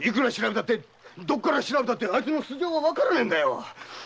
いくら調べたってあいつの素性はわからねえんだよ！